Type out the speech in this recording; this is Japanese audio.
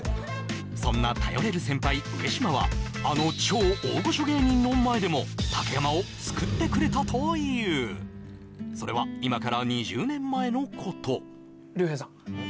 そんな頼れる先輩上島はあの超大御所芸人の前でも竹山を救ってくれたというそれは今から２０年前のこと竜兵さん